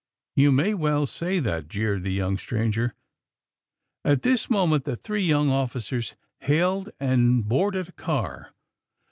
You may well say that," jeered the young stranger. At this moment the three young officers hailed and boarded a car.